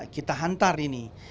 kita hantar ini